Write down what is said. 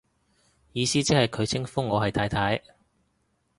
意思即係佢稱呼我係太太